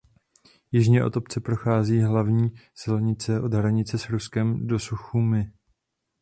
Jižně od obce prochází hlavní silnice od hranice s Ruskem do Suchumi.